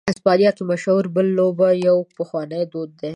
اسپانیا کې مشهوره "بل" لوبه یو پخوانی دود دی.